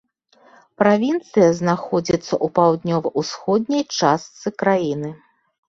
Правінцыя знаходзіцца ў паўднёва-ўсходняй частцы краіны.